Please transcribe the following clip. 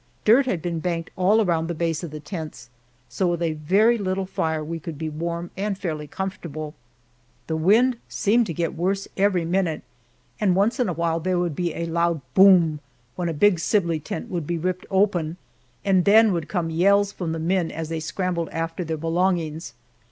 Dirt had been banked all around the base of the tents, so with a very little fire we could be warm and fairly comfortable. The wind seemed to get worse every minute, and once in a while there would be a loud "boom" when a big Sibley tent would be ripped open, and then would come yells from the men as they scrambled after their belongings.